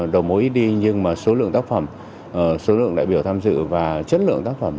đầu mối ít đi nhưng mà số lượng tác phẩm số lượng đại biểu tham dự và chất lượng tác phẩm